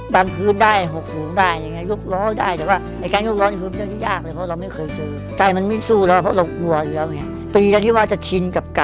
บางครได้หกสูงได้ยกล้อได้